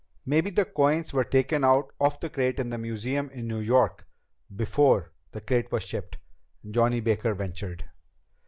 "Maybe the coins were taken out of the crate in the museum in New York before the crate was shipped," Johnny Baker ventured.